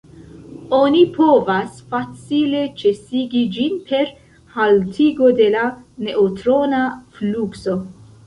Oni povas facile ĉesigi ĝin per haltigo de la neŭtrona flukso.